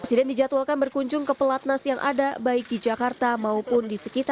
presiden dijadwalkan berkunjung ke pelatnas yang ada baik di jakarta maupun di sekitar